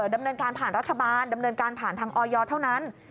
ดำเนินการผ่านรัฐบาลดำเนินการผ่านทางออยเท่านั้น